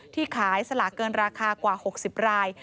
ที่ขายสลากเกินราคากว่า๖๐ราย